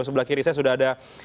sebelah kiri saya sudah ada